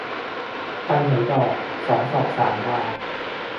ไปไหนดอก สองศอกสามวา